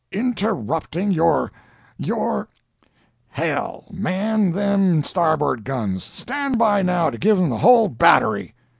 "Interrupting your—your—h—l! Man them starboard guns! Stand by, now, to give 'em the whole battery!"